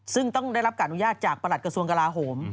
ซึ่งต้องได้รับการอนุญาตจากประหลัดกระทรวงกลาโหม